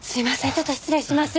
ちょっと失礼します。